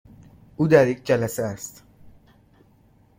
او در یک جلسه است.